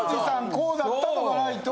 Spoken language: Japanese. こうだったとかないと。